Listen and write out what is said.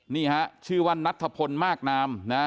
นี่ฮะชื่อวันนัทภพลมากน้ำ